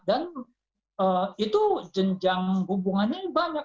dan itu jenjang hubungannya banyak